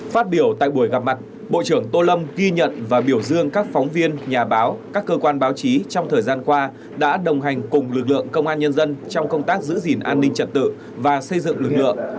phát biểu tại buổi gặp mặt bộ trưởng tô lâm ghi nhận và biểu dương các phóng viên nhà báo các cơ quan báo chí trong thời gian qua đã đồng hành cùng lực lượng công an nhân dân trong công tác giữ gìn an ninh trật tự và xây dựng lực lượng